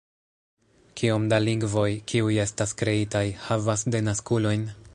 Kiom da lingvoj, kiuj estas kreitaj, havas denaskulojn?